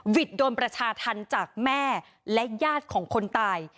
โดนประชาธรรมจากแม่และญาติของคนตาย